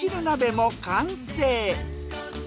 鍋も完成。